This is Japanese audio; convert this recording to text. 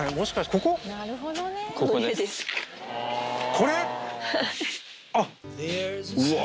これ？